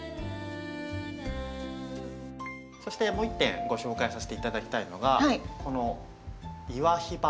そしてもう１点ご紹介させて頂きたいのがこのイワヒバ。